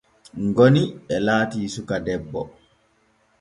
Goni e laati suka debbo.